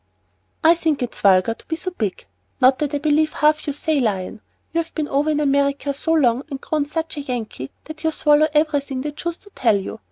"I think it's vulgar to be so big, not that I believe half you say, Lion. You've been over in America so long, and grown such a Yankee, that you swallow everything they choose to tell you.